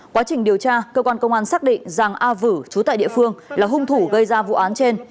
quá trình điều tra cơ quan công an xác định giàng a vữ trú tại địa phương là hung thủ gây ra vụ án trên